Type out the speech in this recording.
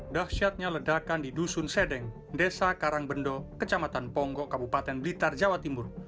dahsyatnya ledakan di dusun sedeng desa karangbendo kecamatan ponggok kabupaten blitar jawa timur